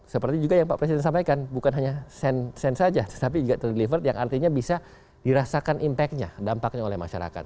seperti juga yang pak presiden sampaikan bukan hanya send saja tetapi juga terdelivert yang artinya bisa dirasakan impact nya dampaknya oleh masyarakat